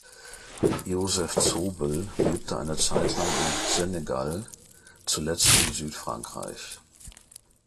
Joseph Zobel lebte eine Zeit lang in Senegal, zuletzt in Südfrankreich.